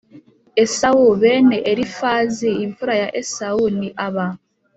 Esawu Bene Elifazi imfura ya Esawu ni aba